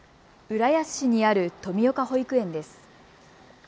浦安市にある富岡保育園です。